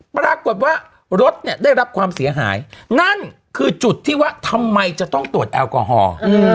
ปรากฏว่ารถเนี่ยได้รับความเสียหายนั่นคือจุดที่ว่าทำไมจะต้องตรวจแอลกอฮอล์